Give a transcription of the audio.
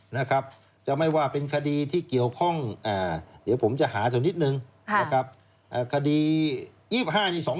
แต่ไม่ว่าเป็นคดีที่เกี่ยวข้องเดี๋ยวผมจะหาสนิทหนึ่ง